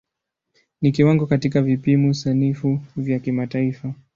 Ni kiwango katika vipimo sanifu vya kimataifa.